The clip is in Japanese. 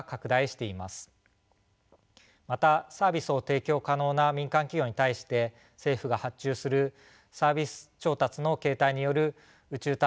またサービスを提供可能な民間企業に対して政府が発注するサービス調達の形態による宇宙探査活動も活発化しています。